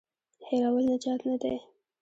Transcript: هېرول نجات نه دی.